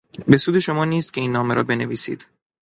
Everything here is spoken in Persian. به سود شما نیست که این نامه را بنویسید.